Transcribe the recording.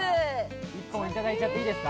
１本、いただいちゃっていいですか？